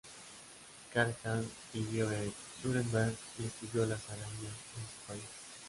Carl Hahn vivió en Nuremberg y estudió las arañas en su país.